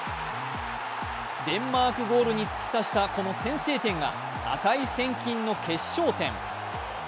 デンマークゴールに突き刺したこの先制点が値千金の決勝点。